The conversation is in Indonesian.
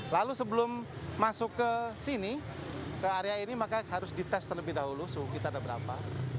lalu sebelum masuk ke sini ke area ini maka harus dites terlebih dahulu suhu kita ada berapa